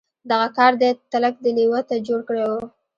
دغه کار دی تلک دې لېوه ته جوړ کړی و.